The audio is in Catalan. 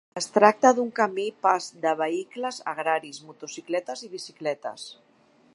Es tracta d'un camí pas de vehicles agraris, motocicletes i bicicletes.